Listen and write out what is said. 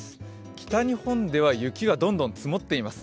北日本では雪がどんどん積もっています。